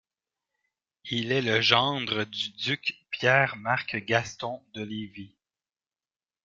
Il est le gendre du duc Pierre-Marc-Gaston de Lévis.